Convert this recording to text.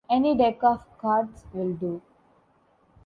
Any deck of cards will do.